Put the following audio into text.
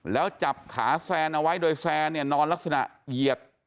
แล้วจับขาแซนเอาไว้โดยแซนเนี่ยนอนลักษณะเหยียด